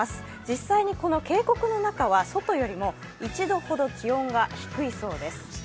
実際にこの渓谷の中は外よりも１度ほど気温が低いそうです。